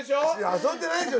・遊んでないですよ！